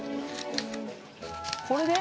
これで？